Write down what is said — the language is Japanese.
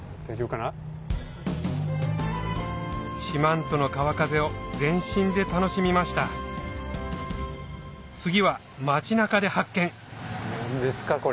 四万十の川風を全身で楽しみました次は町中で発見何ですか？